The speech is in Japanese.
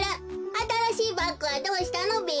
あたらしいバッグはどうしたのべ？